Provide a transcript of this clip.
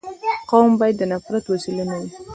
قوم باید د نفرت وسیله نه وي.